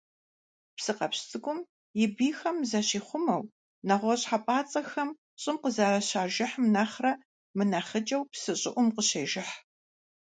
Псыкъэпщ цӀыкӀум, и бийхэм зыщихъумэу, нэгъуэщӀ хьэпӀацӀэхэм щӀым къызэрыщажыхьым нэхърэ мынэхъыкӀэу псы щӀыӀум къыщежыхь.